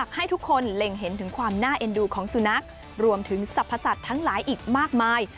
ความน่าเอ็นดูของสุนัขรวมถึงสรรพสัตว์ทั้งหลายอีกมากมาย